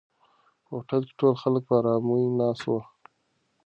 په هوټل کې ټول خلک په آرامۍ ناست وو.